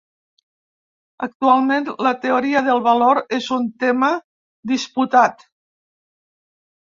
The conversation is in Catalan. Actualment, la teoria del valor és un tema disputat.